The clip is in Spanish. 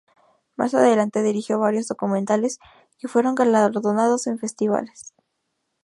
Más adelante dirigió varios documentales que fueron galardonados en festivales.